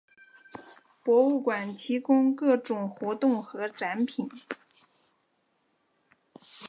博物馆提供各种活动和展品。